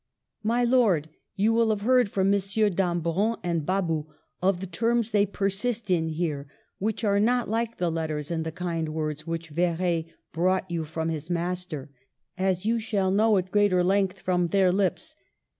My Lord, — You will have heard from Monsieur d'Ambrun and Babou of the terms they persist in here, which are not like the letters and the kind words which V^r6 brought you from his master, as you shall know at greater length from their lips.